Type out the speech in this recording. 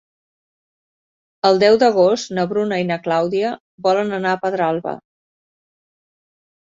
El deu d'agost na Bruna i na Clàudia volen anar a Pedralba.